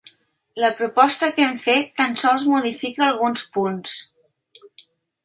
La proposta que hem fet tan sols modifica alguns punts.